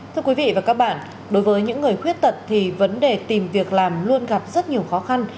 thưa quý vị và các bạn đối với những người khuyết tật thì vấn đề tìm việc làm luôn gặp rất nhiều khó khăn